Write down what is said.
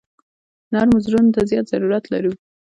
نرمو زړونو ته زیات ضرورت لرو.